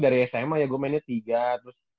dari sma ya gue mainnya tiga terus